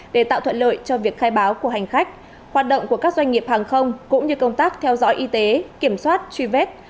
để tạo thuận lợi cho việc khai báo của hành khách hoạt động của các doanh nghiệp hàng không cũng như công tác theo dõi y tế kiểm soát truy vết